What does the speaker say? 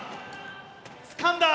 つかんだ！